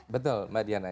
betul mbak diana